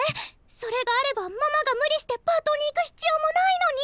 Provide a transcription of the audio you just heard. それがあればママが無理してパートに行く必要もないのに。